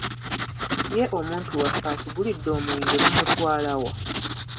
Ye omuntu waffe atugulidde omwenge mumutwala wa?